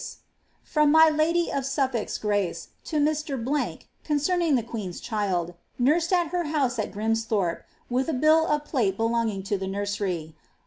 * From my buly of Snfiblk's grace to my Mr. ,~conoeming the qneeo^s child, nursed at her house at Grimesthorpe, with a bill of plate belonging to ike nursery.